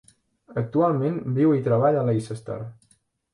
Actualment viu i treballa a Leicester.